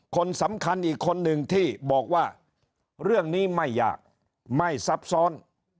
คนสำคัญอีกคนหนึ่งที่บอกว่าเรื่องนี้ไม่ยากไม่ซับซ้อน